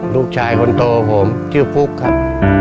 ลูกชายคนโตผมชื่อฟุ๊กครับ